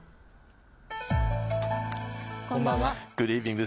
こんばんは。